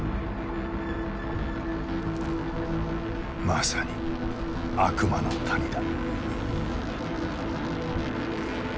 まさに悪魔の谷だ。